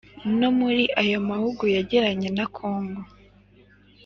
no muri aya mahugu yegeranye na kongo,